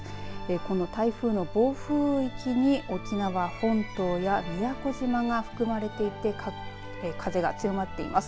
この台風の暴風域に沖縄本島や宮古島が含まれていて風が強まっています。